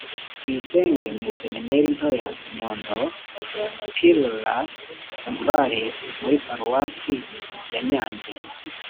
tuyisenge mu iseminari nto ya nyundo, p.laurent safari muri paruwasi ya nyange,